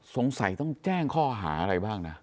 สงสัยต้องแจ้งข้อหาอะไรบ้างนะ